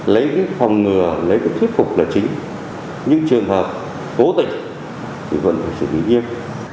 lấy cái phòng ngừa lấy cái thuyết phục là chính nhưng trường hợp cố tình thì vẫn phải sử dụng nghiêm